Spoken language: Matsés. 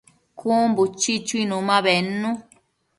Cun buchi chuinu ma bednu